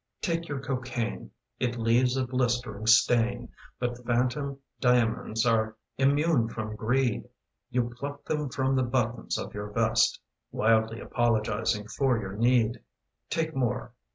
Take your cocaine. It leaves a blistering stain. But phantom diamonds are immune from greed. You pluck them from the buttons of your vest, Wildly apologising for your need. Take more.